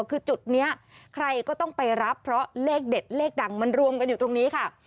คือจุดนี้ใครก็ต้องไปรับเพราะเลขเด็ดเลขดังมันรวมกันอยู่ตรงนี้ค่ะ